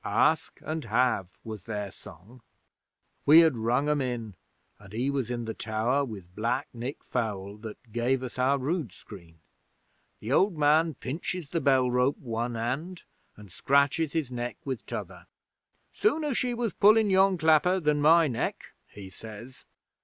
"Ask and have" was their song.) We had rung 'em in, and he was in the tower with Black Nick Fowle, that gave us our rood screen. The old man pinches the bell rope one hand and scratches his neck with t'other. "Sooner she was pulling yon clapper than my neck, he says.